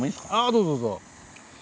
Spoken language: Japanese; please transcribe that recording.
どうぞどうぞ。